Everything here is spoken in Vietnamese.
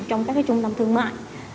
trong các trung tâm thương mại